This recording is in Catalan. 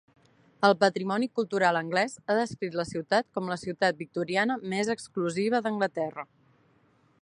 El patrimoni cultural anglès ha descrit la ciutat com la ciutat victoriana més exclusiva d'Anglaterra.